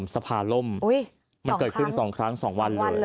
สภาล่มมันเกิดขึ้น๒ครั้ง๒วันเลย